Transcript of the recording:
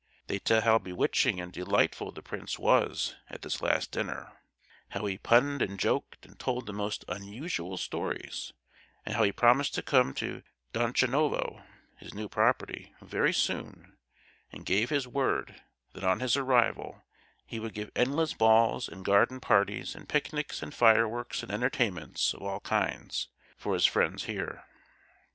They tell how bewitching and delightful the prince was at this last dinner; how he punned and joked and told the most unusual stories; and how he promised to come to Donchanovo (his new property) very soon, and gave his word that on his arrival he would give endless balls and garden parties and picnics and fireworks and entertainments of all kinds, for his friends here.